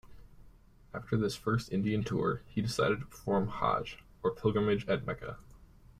After this first Indian tour, he decided to perform Hajj or pilgrimage at Mecca.